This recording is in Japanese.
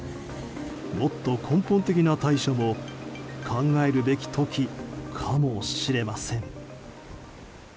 もっと根本的な対処も考えるべき時かもしれません。